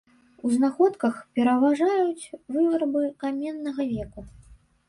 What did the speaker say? У знаходках пераважаюць вырабы каменнага веку.